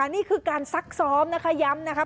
นี่คือการซักซ้อมนะคะย้ำนะคะ